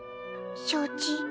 承知。